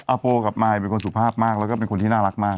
โปกับมายเป็นคนสุภาพมากแล้วก็เป็นคนที่น่ารักมาก